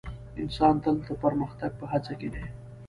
انسان تل د پرمختګ په هڅه کې دی.